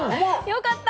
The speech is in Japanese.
よかった！